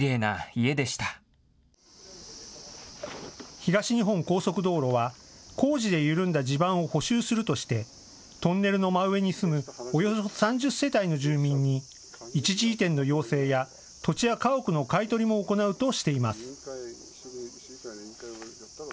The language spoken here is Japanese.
東日本高速道路は、工事で緩んだ地盤を補修するとしてトンネルの真上に住むおよそ３０世帯の住民に一時移転の要請や土地や家屋の買い取りも行うとしています。